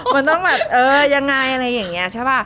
มันต้องแบบเออยังไงอะไรอย่างนี้ใช่ป่ะ